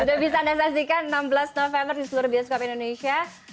sudah bisa anda saksikan enam belas november di seluruh bioskop indonesia